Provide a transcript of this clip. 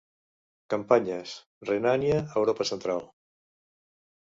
Campanyes: Renània, Europa Central.